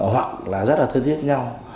hoặc là rất là thân thiết nhau